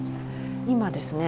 今ですね